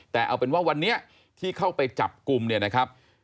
แต่เอาเป็นว่าวันนี้ที่เข้าไปจับกลุ่มเนี่ยนะครับ